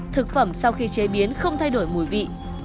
thực phẩm sau khi chế biến không thay đổi mùi vị